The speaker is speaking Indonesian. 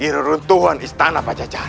iru runtuhan istana pajajaran